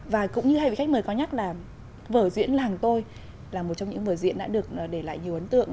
và cũng như hai vị khách mời có nhắc là vở diễn làng tôi là một trong những vở diễn đã được để lại nhiều ấn tượng